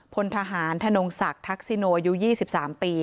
พลทหารธนงศักดิ์ทักษิโนอายุ๒๓ปี